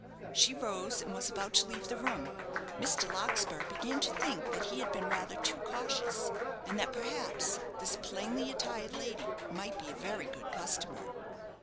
She rose, and was about to leave the room. Mr. Larkspur began to think that he had been rather too cautious; and that perhaps, this plainly attired lady might be a very good customer.